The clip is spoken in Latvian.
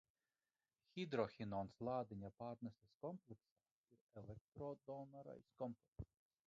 Hidrohinons lādiņa pārneses kompleksā ir elektrondonorais komponents.